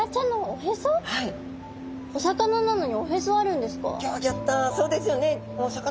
お魚なのにおへそあるんですか？